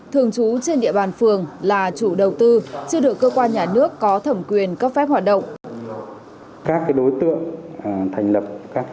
thường trú trên địa bàn phường là chủ đầu tư chưa được cơ quan nhà nước có thẩm quyền cấp phép hoạt động